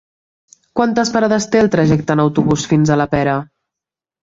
Quantes parades té el trajecte en autobús fins a la Pera?